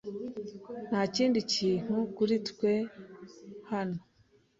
Nta kindi kintu kuri twe hano.